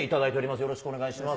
よろしくお願いします。